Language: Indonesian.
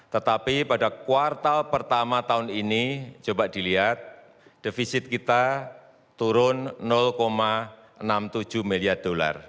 tetapi pada kuartal pertama tahun ini coba dilihat defisit kita turun enam puluh tujuh miliar dolar